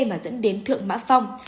mà dẫn đến thượng má phong